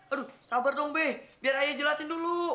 aduh sabar dong beh biar ayah jelasin dulu